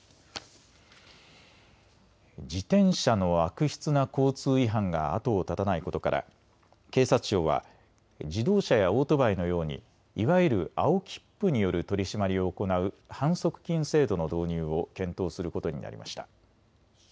自転車の悪質な交通違反が後を絶たないことから警察庁は自動車やオートバイのようにいわゆる青切符による取締りを行う反則金制度の導入を検討することになりました。